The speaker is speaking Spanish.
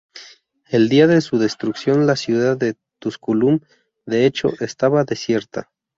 El día de su destrucción la ciudad de Tusculum, de hecho, estaba desierta.